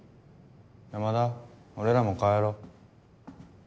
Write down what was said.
山田俺らも帰ろう。